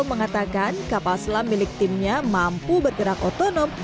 mengatakan kapal selam milik timnya mampu bergerak otonom